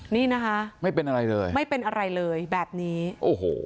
นี่นะคะไม่เป็นอะไรเลยไม่เป็นอะไรเลยแบบนี้โอ้โห